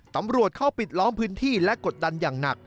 ตำรวจเข้าปิดล้อมพื้นที่และกดดันอย่างหนัก